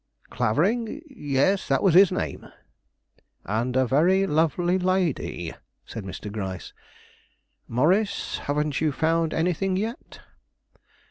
"Clavering? Yes, that was his name." "And a very lovely lady," said Mr. Gryce. "Morris, haven't you found anything yet?"